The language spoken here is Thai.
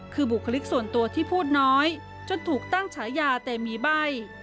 คือบุคลิกส่วนตัวที่พูดน้อยจนถูกตั้งฉายาแต่มีใบ้